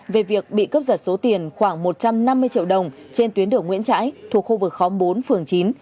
về việc bị cướp giật số tiền khoảng một trăm năm mươi triệu đồng trên tuyến đường nguyễn trãi thuộc khu vực khóm bốn phường chín